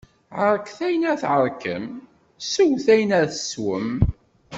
Ɛerket ayen ara tɛerkem, sewwet ayen ara tsewwem.